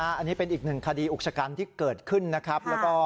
อันนี้เป็นอีกหนึ่งคดีอุกชกันที่เกิดขึ้นนะครับแล้วก็